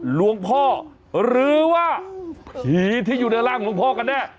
หลวงพ่อหรือว่าผีที่อยู่ในร่างหลวงพ่อกันแน่